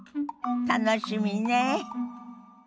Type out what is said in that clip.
楽しみねえ。